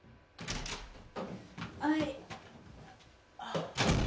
はい。